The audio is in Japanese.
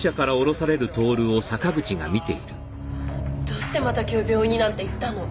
どうしてまた今日病院になんて行ったの？